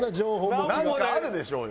なんかあるでしょうよ！